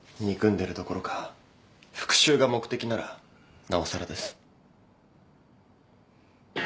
憎んでるどころか復讐が目的ならなおさらです。